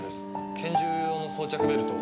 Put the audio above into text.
拳銃用の装着ベルトを。